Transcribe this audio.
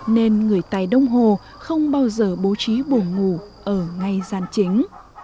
nên người tây đông hồ không bao giờ bố trí buồn ngủ ở ngay sàn chính